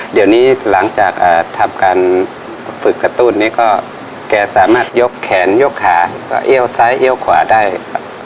เดี๋ยวนี้หลังจากทำการฝึกกระตุ้นนี้ก็แกสามารถยกแขนยกขาก็เอี้ยวซ้ายเอี้ยวขวาได้